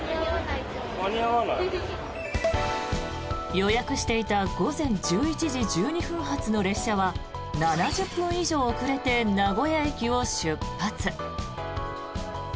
予約していた午前１１時１２分発の列車は７０分以上遅れて名古屋駅を出発。